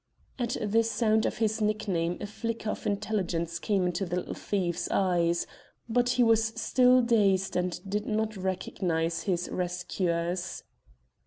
At the sound of his nickname a flicker of intelligence came into the little thief's eyes, but he was still dazed, and did not recognize his rescuers.